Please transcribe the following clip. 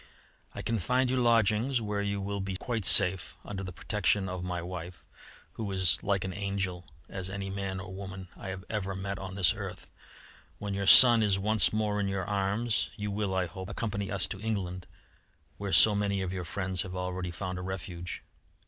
I can find you lodgings where you will be quite safe under the protection of my wife, who is as like an angel as any man or woman I have ever met on this earth. When your son is once more in your arms, you will, I hope, accompany us to England, where so many of your friends have already found a refuge.